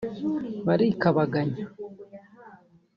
Barikabaganya